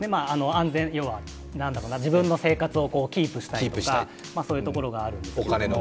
要は、自分の生活をキープしたいというところがあるんですけど。